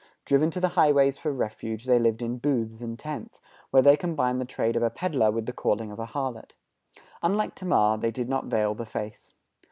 Driven to the highways for refuge, they lived in booths and tents, where they combined the trade of a peddler with the calling of a harlot. Unlike Tamar, they did not veil the face.